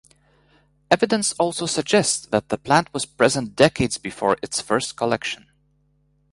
Evidence also suggests that the plant was present decades before its first collection.